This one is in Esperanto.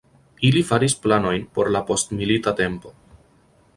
Ili faris planojn por la postmilita tempo.